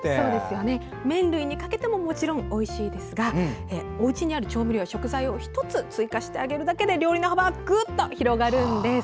麺類にかけてももちろんおいしいですがおうちにある調味料、食材を１つ追加してあげるだけで料理の幅がぐっと広がるんです。